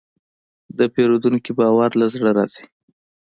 د پیرودونکي باور له زړه راځي.